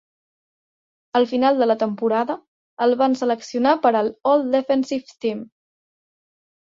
Al final de la temporada, el van seleccionar per al All-Defensive Team.